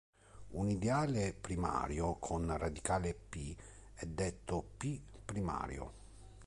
Un ideale primario con radicale "P" è detto "P"-primario.